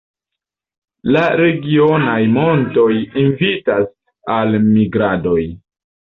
La regionaj montoj invitas al migradoj.